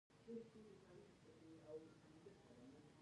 د اوبو فشار په ژورتیا پورې اړه لري.